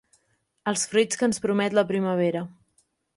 Els fruits que ens promet la primavera.